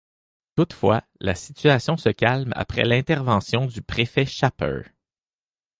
Toutefois, la situation se calme après l'intervention du préfet Chaper.